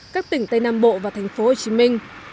các tỉnh tây nam bộ và thành phố hồ chí minh